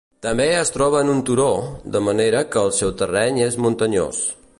També es troba en un turó, de manera que el seu terreny és muntanyós.